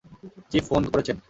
Chief phone করেছেন।